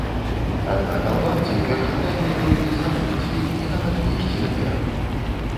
Аднак албанцы ў першым тайме здолелі зраўняць лік і нават выйсці наперад.